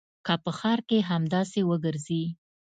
که په ښار کښې همداسې وګرځې.